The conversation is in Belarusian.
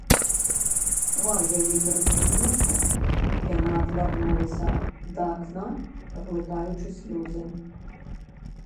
Твар яе перасмыкнуўся, яна адвярнулася да акна, глытаючы слёзы.